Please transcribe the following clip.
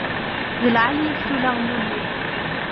D lɛali-yak-t ulaɣmu-nni.